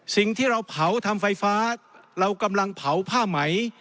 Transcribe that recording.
สิ่งที่เราเผาทำไฟฟ้าเรากำลังเผาผ้าไหม